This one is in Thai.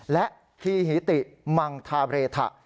และฮีฮิติมังทาเรทะ